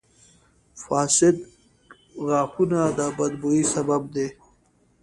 • فاسد غاښونه د بد بوي سبب دي.